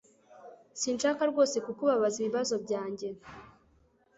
Sinshaka rwose kukubabaza ibibazo byanjye.